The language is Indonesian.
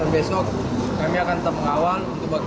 besok kami akan termengawal